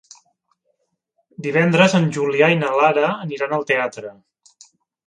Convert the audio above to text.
Divendres en Julià i na Lara aniran al teatre.